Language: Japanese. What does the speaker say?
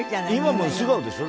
今も素顔でしょ？